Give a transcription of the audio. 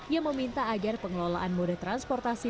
yang meminta agar pengelolaan mode transportasi